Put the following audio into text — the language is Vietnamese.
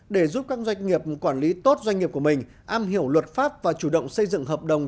để giúp các doanh nghiệp quản lý tốt doanh nghiệp của mình am hiểu luật pháp và chủ động xây dựng hợp đồng